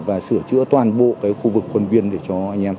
và sửa chữa toàn bộ khu vực khuôn viên để cho anh em